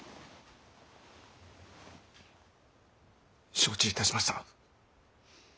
承知いたしました。